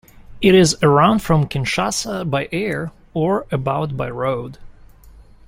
It is around from Kinshasa by air, or about by road.